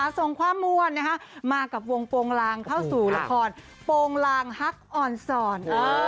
ในตรงความมวลมากับวงโปงรางเข้าสู่ราคอนโปงรางฮัคอ่อนส่อน